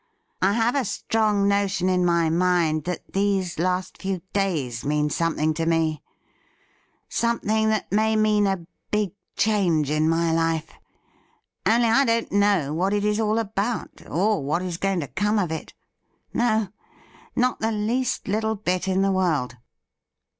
I have a strong notion in my mind that these last few days mean something to me — something that may mean a big change in my life — only I don't know what it is all about, or what is going to come of it. No, not the least httle bit in the world.'